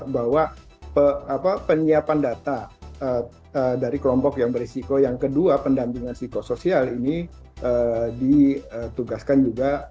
bahwa penyiapan data dari kelompok yang berisiko yang kedua pendampingan psikosoial ini ditugaskan juga